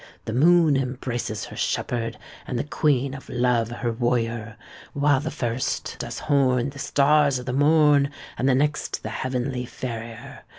The moon embraces her shepherd, And the Queen of Love her warrior; While the first does horn The stars of the morn, And the next the heavenly farrier.